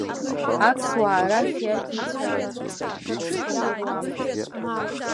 Аԥсуаа рахь иадицәалар ақырҭқәа ируамызт.